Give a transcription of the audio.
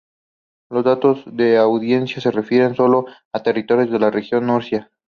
Los datos de audiencia se refieren sólo al territorio de la Región de Murcia.